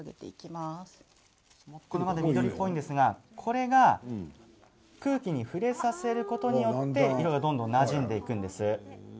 まだ緑っぽいですがこれが空気に触れさせることによって色がどんどんなじんでいくんです。